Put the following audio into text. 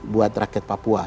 buat rakyat papua